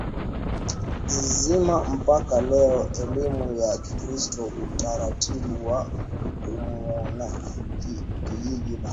zima mpaka leo Elimu ya Kikristo Utaratibu wa umonaki Jiji la